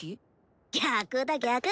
逆だ逆！